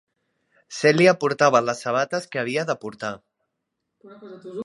Celia portava les sabates que havia de portar.